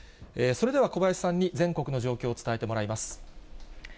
それでは、小林さんに全国の状況を伝えてもらいます。